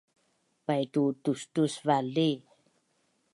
Paitu tustusvali